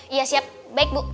iya siap baik bu